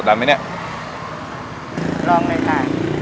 กดดับไหมเนี้ยลองหน่อยค่ะ